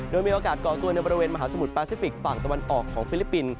โดยมีโอกาสก่อตัวในบริเวณมหาสมุทรปาซิฟิกฝั่งตะวันออกของฟิลิปปินส์